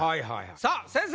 さあ先生！